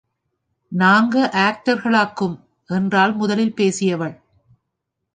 நாங்க ஆக்ட்ரஸ்களாக்கும்! என்றாள் முதலில் பேசியவள்.